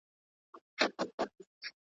کلونه کېږي د بلا په نامه شپه ختلې.